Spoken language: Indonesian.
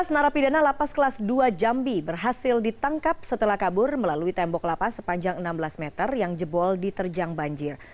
tujuh belas narapidana lapas kelas dua jambi berhasil ditangkap setelah kabur melalui tembok lapas sepanjang enam belas meter yang jebol diterjang banjir